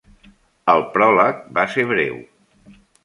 El pròleg va ser breu.